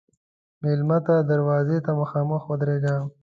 مېلمه ته دروازې ته مخامخ ودریږه.